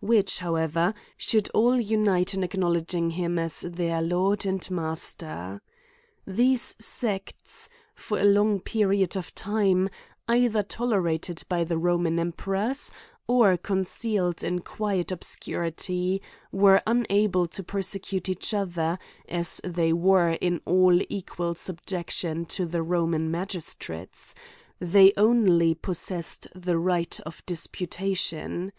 Which, however, should all unite in acknowledging him as their Lord and Master. These sects, for a long period of time, either tolerated by the Roman emperors, or, concealed in quiet obscurity, were unable to persecute each other, as they were all io equal sub jection to the Roman magistrates ; they only pos sessed the right of disputation.